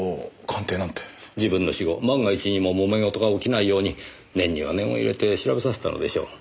自分の死後万が一にももめ事が起きないように念には念を入れて調べさせたのでしょう。